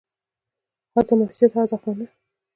هذا مسجد، هذا خانه